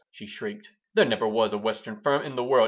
she shrieked. "There never was a Western firm in the world.